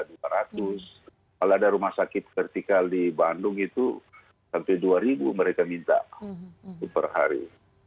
kalau ada rumah sakit vertikal di bandung itu sampai dua ribu mereka minta per hari